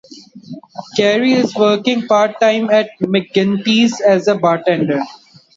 Gary is working part-time at McGinty's as a bartender.